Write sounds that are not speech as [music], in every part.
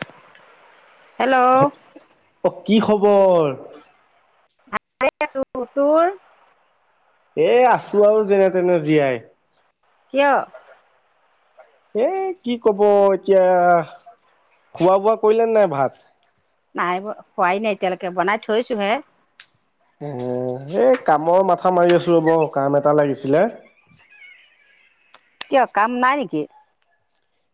[unintelligible] অ কি খবৰ? ওপৰ! ভাত খাই আছো। তোৰ? এঁ! আছো আৰু যেনে তেনে জীয়াই। কিয়? এঁ! কি কব এতিয়া, খোৱা বোৱা কৰিলে নাই ভাত। নাই! খোৱাই নাই এতিয়ালৈকে বনাই থৈছোহে। উম এই কামৰ মাথা মাৰি আছো ৰ'ব, কাম এটা লাগিছিলে। কিয় কাম নাই নেকি?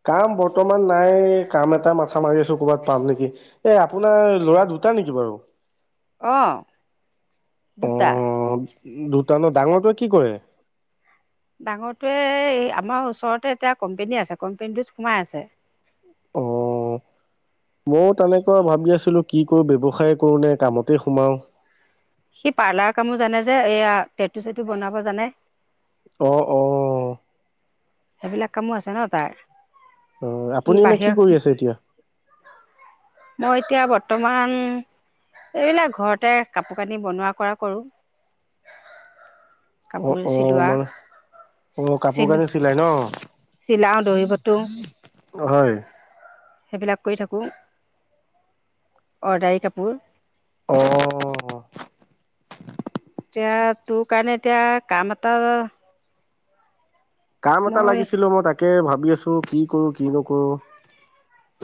কাম বৰ্তমান নাই! কাম এটা মাথা মাৰি আছো ক'বাত পাম নেকি এ আপোনাৰ লৰা দুটা নেকি বাৰু? অঁ অ দুটা। দুটা ন, ডাঙৰটোৱে কি কৰে? ডাঙৰটোৱে আমাৰ ওচৰতে এতিয়া কোম্পেনী আছে কোম্পনী, তোত সোমাই আছে। অ ময়ো তেনেকুৱা ভাবি আছিলো, কি কৰো ব্যৱসায় কৰো নে কামতে সোমাও। সি পাৰ্লাৰ কামো জানে যে, এইয়া টেটু চেটু বনাব জানে। অ অ সেইবিলাক কামো আছে ন তাৰ। অ সি আপুনি এনে কি বাহিৰৰ কৰি আছে এতিয়া? মই এতিয়া বৰ্তমান,। এইবিলাক ঘৰতে কাপোৰ কানি বনোৱা কৰা কৰোঁ অ কাপোৰ অ চিলোৱা মানে অ', কাপোৰ চিলো কানি চিলাই ন চিলাওঁ দহি বাটো। হয়। সেইবিলাক কৰি থাকোঁ, অৰ্ডাৰী কাপোৰ। অ ত তোৰ কাৰনে এতিয়া কাম এটা কাম এটা মই লাগিছিলো মই তাকে ভা ভাবি আছো কি কৰো কি নকৰোঁ।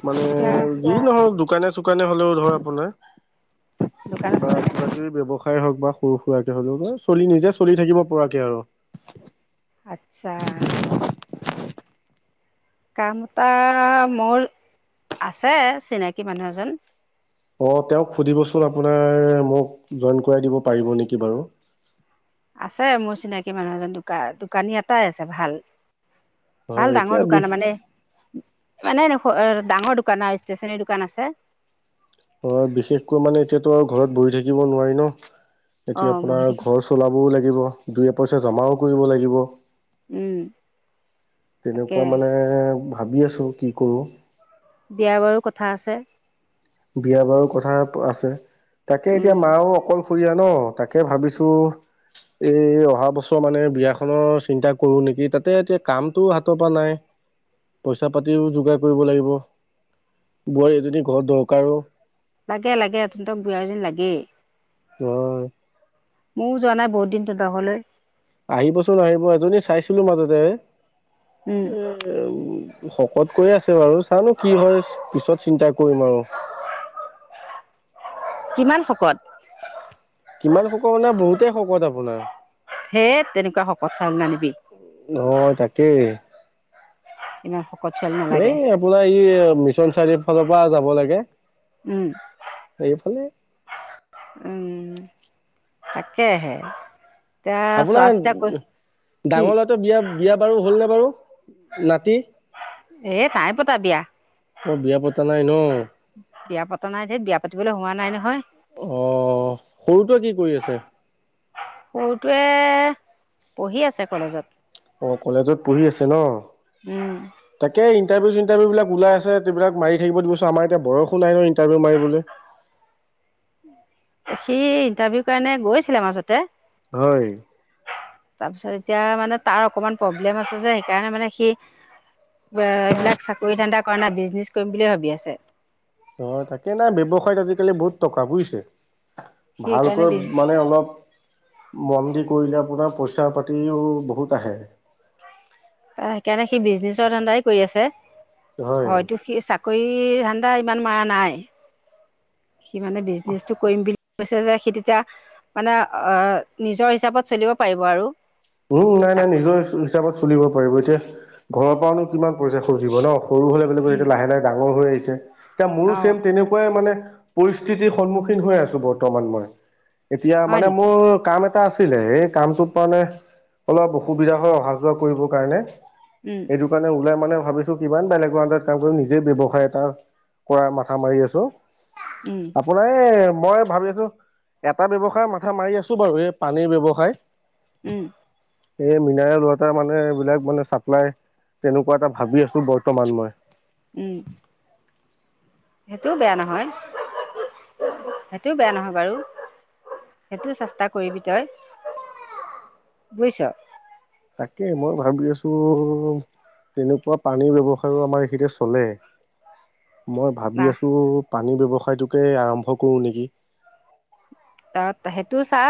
মানে এতিয়া যি নহয় শুকানে চুকানে হ'লেও ধৰ আপোনাৰ। দোকানে-দোকানে খাই হওক বা সৰু-সুৰা কৰাকে হক চলি নিজে চলি থাকিব পৰাকে আৰু। আচ্ছা কাম এটা মোৰ আছে, চিনাকি মানুহ এজন। অ তেওঁক সুধিবচোন আপুনি। আ মোক জইন কৰাই দিব পাৰিব নেকি বাৰু। আছে মোৰ চিনাকি মানুহ এজন দোক দোকানী এটাই আছে ভাল। হয় ভাল এতিয়া ডাঙৰ বিষ দোকান মানে। মানে এনেৰ ডাঙৰ দোকান আৰু ষ্টেচনোৰী দোকান আছে। অ বিশেষকৈ মানে এতিয়াতো আৰু ঘৰত বহি থাকিব নোৱাৰি ন? এতিয়া অঁ বহি আপোনাৰ থাকিব ঘৰ চলাবও লাগিব। দুই এ পইচা জমাও কৰিব লাগিব। উম তাকে তেনেকুৱা মানে ভাবি আছোঁ কি কৰোঁ। বিয়া বাৰু কথা আছে। বিয়া বাৰু কথা আছে। তাকে উম এতিয়া মাও অকল সৰিয়া। ন তাকে ভাবিছো এই অহা বছৰ মানে বিয়াখনৰ চিন্তা কৰো নেকি তাতে এতিয়া কামটো হাতৰ পৰা নাই পইচা পাতিও যোগাৰ কৰিব লাগিব। বোৱাৰী এজনী ঘৰত দৰক কাৰো লাগে-লাগে [unintelligible] লাগেই হয় ময়ও যোৱা নাই বহুত দিনটো তহলৈ। আহিবচোন আহিব এজনী চাইছিলো মাজতে। উম এ [unintelligible] শকত কৈ আছে বাৰু চানো কি হয়, পিছত চিন্তা কৰিম আৰু। কিমান শকত? কিমান শকত মানে বহুতেই শকত আপোনাৰ। হে তেনেকুৱা শকত চাউল নানিবি। হয় তাকেই কিনে এই আপোনাৰ ই মিছন চাৰিওফালৰ পৰা যাব লাগে। উম এইফালে উম তাকেহে এতিয়া চোৱা আপোনাৰ চিতা কৰি কি ডাঙৰ লৰাটোয়ে বিয়া বিয়া বাৰু হ'লনেে বাৰু নাতি এ নাই পতা বিয়া মই বিয়া পতা নাই ন বিয়া পতা নাই ধেত বিয়া পাতিবলৈ হোৱা নাই নহয় অ সৰুটোৱে কি কৰি আছে সৰুটোৱে পঢ়ি আছে কলেজত অ কলেজত পঢ়ি আছে ন উম ইন্টাৰভিউ চিন্টাৰভিও বিলাক ওলাই আছে ইবিলাক মাৰি থাকিব দিব আমাৰ এতিয়া বয়স ও নাই ইন্টাৰভিউ মাৰি থাকিবলে। সি ইণ্টাৰভিউ কাৰণে গৈছিলে মাজতে। হয় তাৰপিছত এতিয়া মানে। তাৰ অকনমান প্ৰব্লেম আছে যে সেইকাৰণে মানে সি ব এইবিলাক চাকৰি ধানদা কয়েনা বিজনেছ কৰিম বুলিয়ে ভাবি আছে অ তাকে নাই ব্যৱসায়ত আজিকালি বহুত টকা বুজিছে সি সেইকাৰণে ভালকৈ বিজ মানে অলপ মন দি কৰিলে আপোনাৰ পইচা পাতিও বহুত আহে অ সেইকাৰণে সি বিজনেচৰ ধান্দাই কৰি আছে হয় অটো সি চাকৰি ধান্দা ইমান মৰা নাই সি মানে বিজনেচটো কৰিম বুলি কৈছে যে সি তেতিয়া মানে আহ নিজৰ হিচাপত চলিব পাৰিব আৰু উম নাই নাই চাক নিজৰ হিচাপত চলিব ব এতিয়া ঘৰৰ পৰাওনো কিমান পইচা খজিব ন সৰু হলে বলেগ উম এতিয়া লাহ লাহে ডাঙৰ হৈ আহিছে আছে এ মোৰো অ চেম তেনেকুৱাই মানে পৰিস্থিতিৰ সন্মুখীন হৈ আছো বৰ্তমান মই এতিয়া হয় মানে নেকি মোৰ কাম এটা এটা আছিলে এই কামটোত মানে অলপ অসুবিধা হয় অহা যোৱা কৰিবৰ কাৰণে। উম সেইটো কাৰণে ওলাই মানে ভাবিছো কিমান বেলেগ ৰ আন্দ্ৰত কাম কৰি নিজে ব্যয়ৱসায় এটা কৰা মথা মাৰি আছো উম আপোনাৰ এই মই ভাবি আছো এটা ব্যয়ৱসায় মাথা মাৰি আছো বাৰু এই পানীৰ ব্যৱসায় উম এই মিনাৰেল ৱাটাৰ মানে এইবিলাক মানে চাপ্লাই, তেনেকুৱা এটা ভাবি আছো বৰ্তমান মই। উম, সেইটোও বেয়া নহয়, সেইটোও বেয়া নহয় বাৰু, সেইটো চেষ্টা কৰিবি তই বুজিছ তাকে মই ভাবি আছো, তেনেকুৱা পানীৰ ব্যৱসায়ো আমাৰ এইখিতে চলে। মই না ভাবি আছোঁ পানীৰ ব্যৱসায়টোকে আৰম্ভ কৰো নেকি? ত সেইটো চা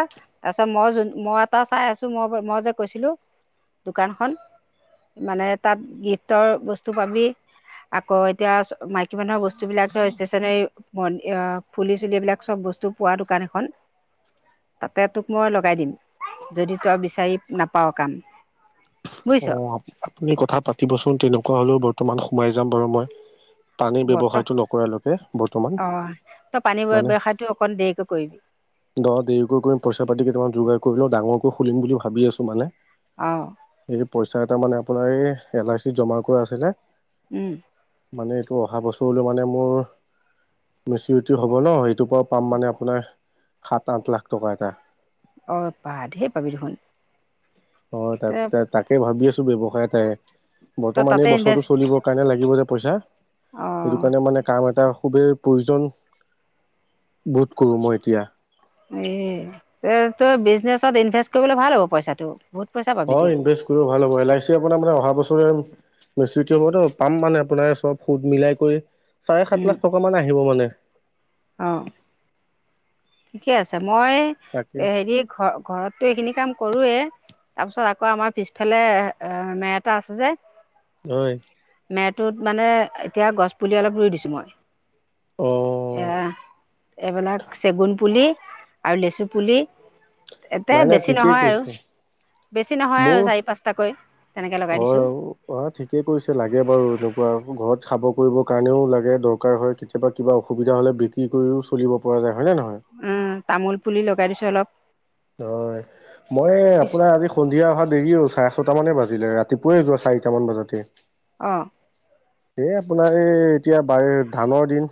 তাৰপিছত মই যোন মই এটা চাই আছোঁ মই মই যে কৈছিলোঁ, দোকানখন মানে তাত গিফ্টৰ বস্তু পাবি আকৌ এতিয়া মাইকী মানুহৰ বস্তু, বস্তুবিলাক ষ্টেচনে [unintelligible] ম ফুলি চুলিবিলাক চব বস্তু পোৱা দোকান এখন, তাতে তোক মই লগাই দিম, যদি তই বিচাৰি নাপাও কাম। বুজিছ অ, আপুনি কথা পাতিবচোন তেনেকুৱা হলেও ব বৰ্তমান সোমাই যাম বাৰু মই। পানীৰ বৰ্ত ব্যৱসায়টো নকৰালৈকে বৰ্তমান, অঁ তই পানী মানে ব্যৱসায়টো অকণ দেৰিকৈ কৰিবি দ দেৰিকৈ কৰি পইচা পাতি কেইটামান যোগাৰ কৰিলেও ডাঙৰকৈ খুলিম বুলি ভাবি আছোঁ মানে অহ, এই পইচা এটা মানে আপোনাৰ এই এল আই চিত জমা কৰা আছিলে উম, মানে, এইটো অহা বছৰলৈ মানে মোৰ মেচিউৰিটি হ'ব ন, সেইটোৰ পৰা পাম মানে আপোনাৰ সাত, আঠ লাখ টকা এটা অ বাহ, ধেৰ পাবি দেখোন। অ, তাত তই তাকে ভাবি আছোঁ। ব্যৱসায় এটাই বৰ্তমান তাতে এই বছৰটো ইনভেষ্ট চলিবৰ কাৰণে লাগে দিব যে পইচা সেইটো অঁ কাৰণে মানে কাম এটা, খুবেই প্ৰয়োজন, বোধ কৰোঁ মই এতিয়া। এ এই, তই বিজনেচত ইনভেষ্ট কৰিবলে ভাল হ'ব পইচাটো বহুত পইচা অ পাবিতো ইনভেষ্ট কৰি ভাল হব, এল আই চিও আপোনাৰ মানে অহা বছৰ মিচিউটি হ'বতো পাম মানে আপোনাৰ চব সুদ মিলাই কৰি চাৰে সাত লাখ টকা মান আহিব মানে অ ঠিকে আছে। মই তাকে হেৰি, ঘ ঘৰতটো এইখিনি কাম কৰোৱে তাৰ পিছত, আকৌ আমাৰ পিছফালে মে এটা আছে যে অ মেটোত মানে, এতিয়া গছপুলি অলপ ৰুই দিছোঁ মই। অ এৰা, এইবিলাক পুলি আৰু লেচু পুলি এতে নাই নাই বেছি ঠিকেই নহয় আৰু কৈছে বেছি নহয় মোৰ আৰু চাৰি পাঁচটাকৈ তেনেকে লগাই অ দিছোঁ অ ঠিকেই কৰিছে লাগে বাৰু এনেকুৱা ঘৰত। খাব কৰিবৰ কাৰণেও লাগে দৰকাৰ হয় কেতিয়াবা কিবা অসুবিধা হ'লে বিক্ৰী কৰিও চলিব পৰা যায়। হয় নে নহয়? উ তামোল পুলি লগাই দিছো অলপ। হয় মই পিছ আপোনাৰ আজি সন্ধিয়া অহা দেৰিয়ে হৈ? চাৰে ছটা মানে বাজিলে ৰাতিপুৱাই যোৱা চাৰিটা মান বাজাতে? অঁ এ আপোনাৰ এই এতিয়া ব ধানৰ দিন?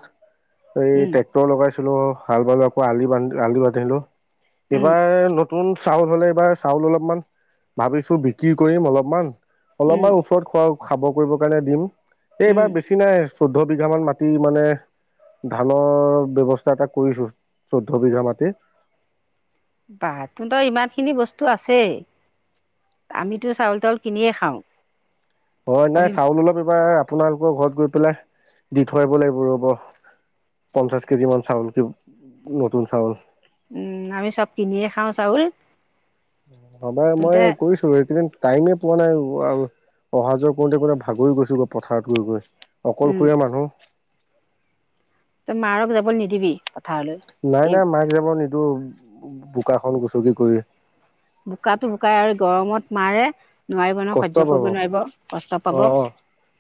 এই ট্ৰেক্টৰ লগাইছিলো? হাল বালো আকৌ আলি বান্ধ আলি বান্ধিলো? তোমাৰ। নতুন চাউল হ'লে এইবাৰ চাউল অলপমান ভাবিছো বিক্ৰী কৰিম অলপমান। অলপমান ওচৰত খোৱা? খাব কৰিবৰ কাৰণে দিম। এইবাৰ বেছি নাই? চৈধ্য বিঘামান মাটি মানে ধানৰ ব্যৱস্থা এটা কৰিছো চৈধ্য বিঘা মাটি। বাহ তহতৰ ইমানখিনি বস্তু আছেই আমিতো চাউল তাউল কিনিয়ে খাওঁ। হয় আমি নাই চাউল খাবলৈ লোহাৰ। আপোনালোকৰ ঘৰত গৈ পেলাই দি থৈ আহিব লাগিব ৰ'ব পঞ্চাশ কেজি মান চাউল কি নতুন চাউল। উম আমি চব কিনিয়ে খাওঁ চাউল। ভবাই তেন্তে মই কৰিছো এইকেইদিন? টাইমে পোৱা নাই আৰু। অহা যোৱা কৰোঁতে কৰোঁতে ভাগৰি গৈছোঁ গৈ পথাৰত গৈ গৈ? উম, অকলশৰীয়া মানুহ। তই মাৰক যাবলে নিদিবি? পথাৰলৈ নাই এই নাই মাক যাব নিদো। বোকাখন গুচকি কৰি। বোকাতো বোকাই আৰু গৰমত মাৰে। নোৱাৰিব নহয় কষ্ট সহ্য পাব কৰিব অ নোৱাৰিব কষ্ট পাব অ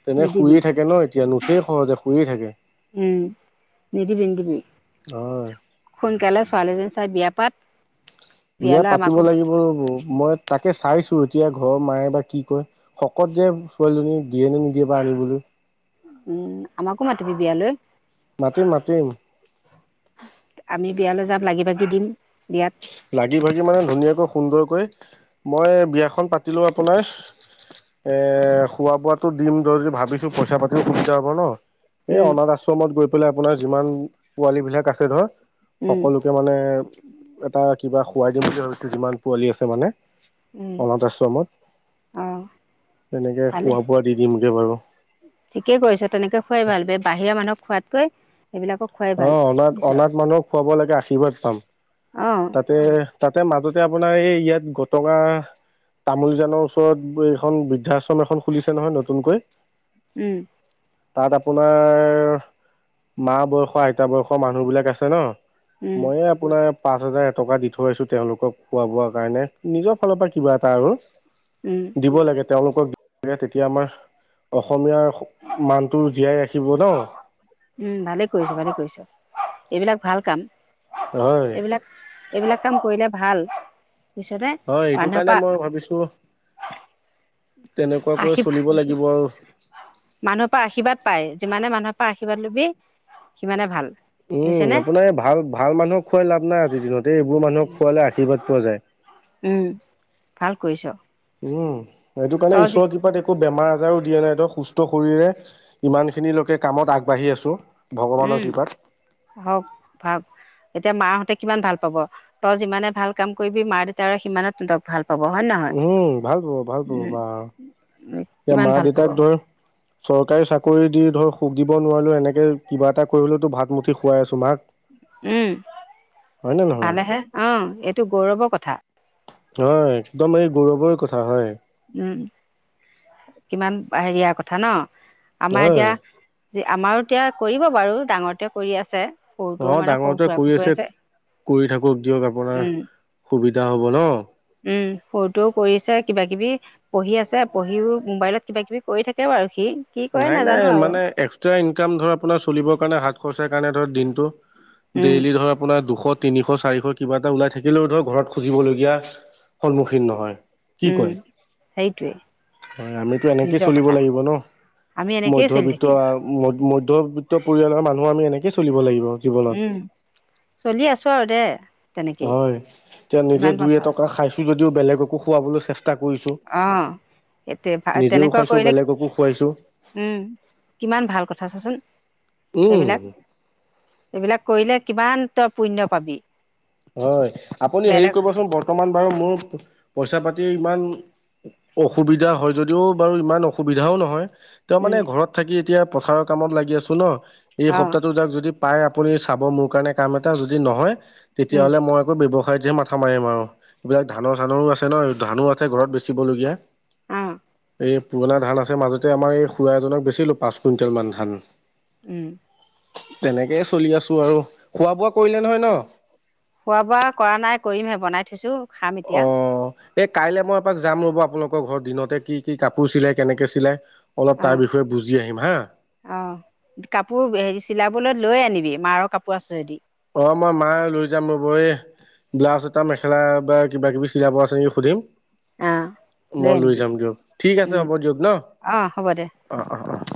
তেনে নিদিবি শুয়ে থাকে ন এতিয়া নুঠেই সহজে। শুইয়েই থাকে। উম নিদিবি নিদিবি হয় সোনকালে ছোৱালীজনী চাই বিয়া পাত। বিয়া বিয়ালৈ আমাকো পাতিব লাগিব ৰব। মই তাকে চাইছো এতিয়া ঘৰৰ মাই বা কি কয় শকত যে ছোৱালীজনী দিয়ে নে নিদিয়ে বা আনিবলৈ? উম আমাকো মাতিবি বিয়ালৈ মাতিম মাতিম আমি বিয়ালৈ যাম? লাগি ভাগি দিম বিয়াত। লাগি ভাগি মানে ধুনীয়াকৈ সুন্দৰকৈ মই বিয়াখন পাতিলোঁ আপোনাৰ এ খোৱা বোৱাটো দিম ধৰি যদি ভাবিছোঁ পইচা পাতিও সুবিধা হ'ব ন। এ উম, অনাথ আশ্ৰমত গৈ পেলাই। আপোনাৰ যিমান পোৱালী বিলাক আছে ধৰ। উম, সকলোকে মানে। এটা কিবা খোৱাই দিম বুলি হয়তো যিমান পোৱালি আছে মানে। উম, অনাথ আশ্ৰমত অ', তেনেকে ভালে খোৱা বোৱা দি দিমগে বাৰু। ঠিকেই কৰিছ তেনেকে খোৱাই ভাল বাহিৰা মানুহক খোৱাতকৈ। সেইবিলাকক খোৱাই ভাল আহ অনাত বুজিছ অনাথ মানুহক খুৱাব লাগে আশীৰ্বাদ পাম। অ', তাতে তাতে মাজতে আপোনাৰ এই ইয়াত গটঙা তামোলজানৰ ওচৰত এইখন বৃদ্ধাশ্ৰম এখন খুলিছে নহয় নতুনকৈ। উম। তাত আপোনাৰ মা বয়সৰ আইতা বয়সৰ মানুহ বিলাক আছে ন। উম, মইয়ে আপোনাৰ। পাঁচ হাজাৰ এটকা দি থৈ আহিছোঁ তেওঁলোকক খোৱা বোৱা কাৰণে নিজৰ ফালৰ পৰা কিবা এটা আৰু। উম, দিব লাগে। তেওঁলোকক তেতিয়া আমাৰ অসমীয়াৰ। মানটো জীয়াই ৰাখিব ন। উম, ভালে কৰিছ ভালে কৰিছ এইবিলাক ভাল কাম। হয় এইবিলাক এইবিলাক কাম কৰিলে ভাল। পিছতে হয় সেইটো মানুহৰ কাৰণে পৰা মই ভাবিছোঁ তেনেকুৱাকৈ আশী চলিব লাগিব আৰু। মানুহৰ পা আশীৰ্বাদ পায় যিমানে মানুহৰ পা আৰ্শীৰ্বাদ লবি সিমানে ভাল। উম বুজিছেনে আপোনাৰ এই ভাল ভাল মানুহক খোৱাই লাভ নাই আজিৰ দিনত এই এইবোৰ মানুহক খোৱালে আশীৰ্বাদ পোৱা যায়। উম, ভাল কৰিছ। উ সেইটো কাৰণে তই যে ঈশ্বৰ কৃপাত একো বেমাৰ। দিয়া নাই ত সুস্থ শৰীৰে ইমান খিনি লৈকে কামত আগবাঢ়ি আছোঁ। ভগৱানৰ উম কৃপাত। হওঁক ভাগ। এতিয়া মাহঁতে কিমান ভাল পাব তই যিমানে ভাল কাম কৰিবি মা দেউতাৰে সিমানে ততক ভাল। পাব হয় নে নহয় উম ভাল পাব ভাল পাব উম, বা। এতিয়া কিমান মা ভাল পাব দেউতাক ধৰ। চৰকাৰী চাকৰি দি ধৰ সুখ দিব নোৱাৰিলেওঁ এনেকে কিবা এটা কৰি হলেওতো ভাত মুঠি খোৱাই আছো মাক। উম হয় নে নহয়? ভালেহে অ এইটো গৌৰৱৰ কথা। হয় একদম এই গৌৰৱৰ কথা হয়। উম কিমান হেৰিয়া কথা ন আমাৰ এতিয়া হয়। যি আমাৰো এতিয়া কৰিব বাৰু ডাঙৰটোৱে কৰি আছে সৰুটোও অ মানে সৰু ডাঙৰটোৱে সুৰাকৈ কৰি আছে কৰি থাকক দিয়ক আপোনাৰ উম সুবিধা যা হ'ব ন উম সৰুটোও কৰিছে কিবা কিবি পঢ়ি আছে পঢ়িও মোবাইলত কিবা কিবি কৰি থাকে বাৰ নাই নাই মানে এক্সটা ইনকাম ধৰ‌‌ আপোনাৰ চলিব কাৰণে‌ হাত খৰচাৰ কাৰণে ধৰক দিনটো উম ডেইলি ধৰ আপোনাৰ দুশ তিনিশ চাৰিশ কিবা এটা ওলাই থাকিলেও ধৰক ঘৰত খুজিবলগীয়া সন্মুখীন নহয় কি উম কয় সেইটোৱে হয় আমিতো এনেকেই নিজৰ চলিব কথা লাগিব ন আমি এনেকেই চলি মৈধবিত থাকিম মৈধবিত পৰিয়ালৰ মানুহ আমি এনেকে চলিব লাগিব। জীৱনত উম চলি আছো আৰু দে তেনেকেই হয় এতিয়া নিজে ইমান দুই বছৰ এটকা খাই যদিও বেলেগকো খুৱাবলৈ চেষ্টা কৰিছো অ স ভ নিজেও তেনেকুৱা খাইছো কৰিলে বেলেগকো খুৱাইছো উম কিমান ভাল কথা চাচোন উম সেইবিলাক এইবিলাক কৰিলে কিমান তই পুণ্য পাবি হয় আপুনি হেৰি বেলেগ কৰিবচোন বৰ্তমান বাৰু মোৰ পইচা পাতি ইমান অসুবিধা হয় যদিও বাৰু ইমান অসুবিধাও নহয় তেওঁ উম মানে ঘৰত থাকি এতিয়া পথাৰৰ কামত লাগি আছোঁ ন এই অ সপ্তাহটো যাক যদি পাই আপুনি চাব মোৰ কাৰণে কাম এটা যদি নহয় উম তেতিয়াহ'লে মই একো ব্যৱস্থা খাইহে মাথা মাৰিম আৰু এইবিলাক ধানৰ চানৰো আছে ন ধানো আছে ঘৰত বেচিবলগীয়া অহ এই পুৰণা ধান আছে মাজতে আমাৰ এই খুৰা এজনক বেচিলো পাঁচ কুইণ্টেল মান ধান উম তেনেকেই চলি আছো আৰু খোৱা বোৱা কৰিলে নহয় ন খোৱা বোৱা কৰা নাই কৰিমহে বনাই থৈছো খাম অ এতিয়া এই কাইলৈ মই এপাক যাম ৰ'ব আপোনালোকৰ ঘৰত দিনতে কি কি কাপোৰ চিলায় কেনেকৈ চিলায় অ অ কাপোৰ হেৰি চিলাবলৈ লৈ আনিবি মাৰৰ কাপোৰ আছেযদি অ মই মা লৈ যাম ৰব এই ব্লাউজ এটা মেখেলা বা কিবা কিবি চিলাব আছে নেকি সুধিম অ মই লৈ যাম দিয়ক ঠিক আছে উম হ'ব দিয়ক ন অ হ'ব দে অ অ